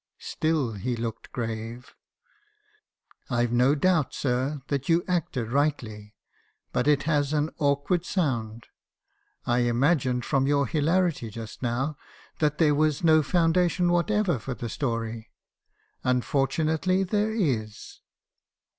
Still he looked grave. 'I've no doubt, sir, that you acted rightly ; but it has an awkward sound. I imagined from your hilarity just now that there was no foundation whatever for the story. Unfortunately there is.'